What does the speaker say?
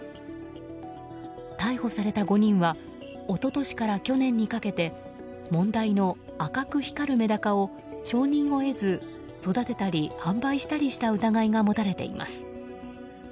逮捕された５人は一昨年から去年にかけて問題の赤く光るメダカを承認を得ず育てたり、販売したりした疑いが持たれています。